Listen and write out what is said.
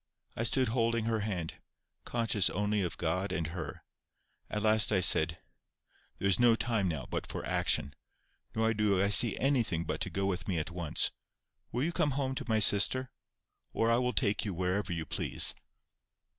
I stood holding her hand, conscious only of God and her. At last I said: "There is no time now but for action. Nor do I see anything but to go with me at once. Will you come home to my sister? Or I will take you wherever you please."